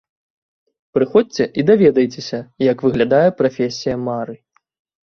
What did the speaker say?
Прыходзьце і даведайцеся, як выглядае прафесія мары!